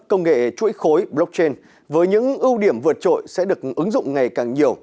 công nghệ chuỗi khối blockchain với những ưu điểm vượt trội sẽ được ứng dụng ngày càng nhiều